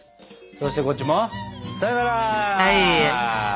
そしてこっちもさよなら！